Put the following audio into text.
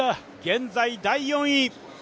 現在第４位。